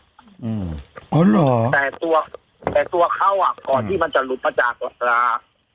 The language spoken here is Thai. ก่อนที่มันจะหลุดมาจากลา